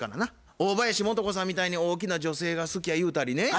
大林素子さんみたいに大きな女性が好きや言うたりね